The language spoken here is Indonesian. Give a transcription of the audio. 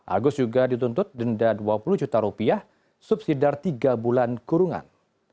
agus juga dituntut denda dua puluh juta rupiah subsidiar tiga bulan kurungan